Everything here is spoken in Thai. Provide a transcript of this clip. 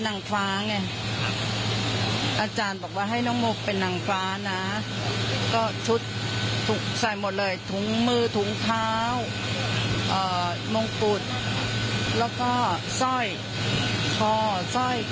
แล้วอันนี้คือปิดหน้าเอาใส่ปิดหน้าไว้